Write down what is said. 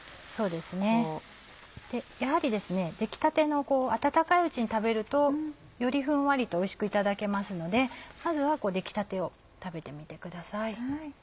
やはり出来たての温かいうちに食べるとよりふんわりとおいしくいただけますのでまずは出来たてを食べてみてください。